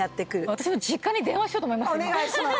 私実家に電話しようと思います。